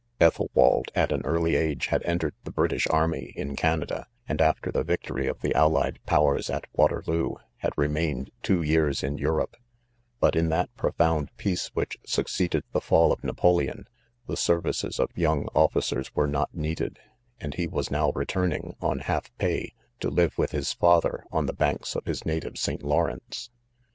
Ethelwald., at an early age, had entered the British army, in Canada ; and after the victory of the allied powers at Waterloo, had remained two years in Europe* Bu_Lin_Jkat_xaoiounct peace which succeeded the" fall of Napoleon, the services of young_officers_w^e not needed;, und lie was &ow returning; on4i&li |myj^o4iv# 30 .iXJOMEN* with Ms father, oa the. banks of his: native St» ', Iisvreftce..